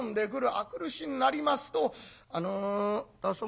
明くる日になりますと「あの旦様